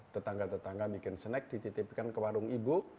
tetangga tetangga bikin snack dititipkan ke warung ibu